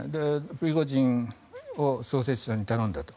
プリゴジンを創設者に頼んだと。